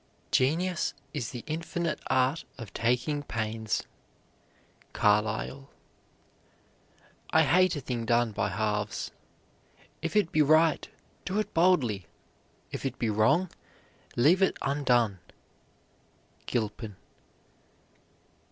Genius is the infinite art of taking pains. CARLYLE. I hate a thing done by halves. If it be right, do it boldly; if it be wrong, leave it undone. GILPIN.